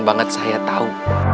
banget saya tahu